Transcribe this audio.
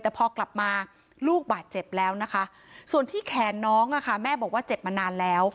แต่พอกลับมาลูกบาดเจ็บแล้วนะคะส่วนที่แขนน้องแม่บอกว่าเจ็บมานานแล้ว